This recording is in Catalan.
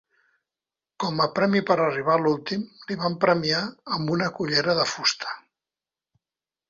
Com a premi per arribar l'últim, li van premiar amb la cullera de fusta.